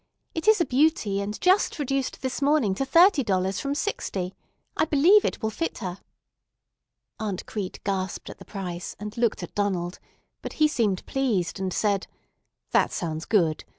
It is a beauty, and just reduced this morning to thirty dollars from sixty. I believe it will fit her." Aunt Crete gasped at the price, and looked at Donald; but he seemed pleased, and said: "That sounds good.